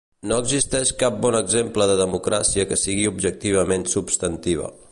No existeix cap bon exemple de democràcia que sigui objectivament substantiva.